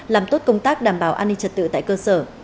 làm tốt công tác đảm bảo an ninh trật tự tại cơ sở